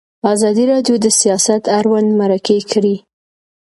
ازادي راډیو د سیاست اړوند مرکې کړي.